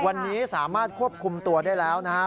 วันนี้สามารถควบคุมตัวได้แล้วนะครับ